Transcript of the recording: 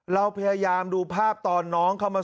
เราพยายามดูภาพตอนน้องเขามา